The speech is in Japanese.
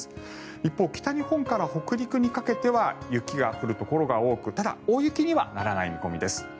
一方、北日本から北陸にかけては雪が降るところが多くただ、大雪にはならない見込みです。